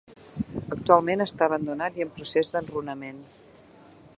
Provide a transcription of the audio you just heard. Actualment està abandonat i en procés d'enrunament.